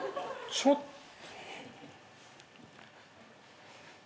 ちょっと。